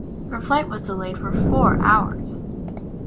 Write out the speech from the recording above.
Her flight was delayed for four hours.